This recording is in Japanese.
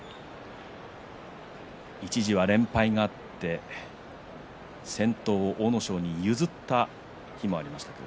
一時は連敗があって先頭を阿武咲に譲った日もありました。